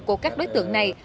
của các đối tượng này